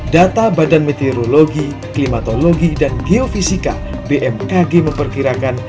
data badan meteorologi klimatologi dan geofisika bmkg memperkirakan